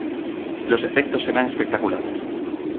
Los efectos serán espectaculares.